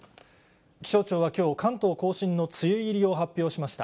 気象庁はきょう、関東甲信の梅雨入りを発表しました。